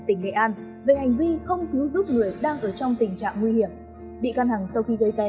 tỉnh nghệ an về hành vi không cứu giúp người đang ở trong tình trạng nguy hiểm bị căn hẳng sau khi gây tén